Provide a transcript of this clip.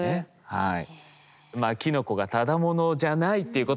はい。